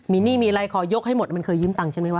มีหนี้มีอะไรขอยกให้หมดมันเคยยืมตังค์ใช่ไหมว